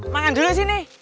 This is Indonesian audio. makan dulu sini